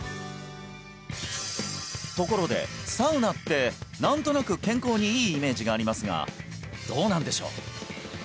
ところでサウナって何となく健康にいいイメージがありますがどうなんでしょう？